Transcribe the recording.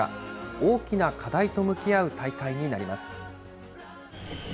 大きな課題と向き合う大会になります。